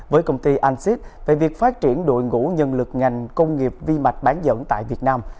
với công ty ansis về việc phát triển đội ngũ nhân lực ngành công nghiệp vi mạch bán dẫn tại việt nam